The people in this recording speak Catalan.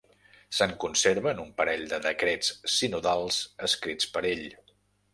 Se'n conserven un parell de decrets sinodals escrits per ell.